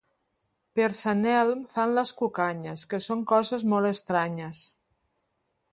Per Sant Elm fan les cucanyes, que són coses molt estranyes.